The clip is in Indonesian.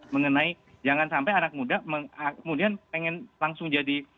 mengenai jangan sampai anak muda kemudian pengen langsung jadi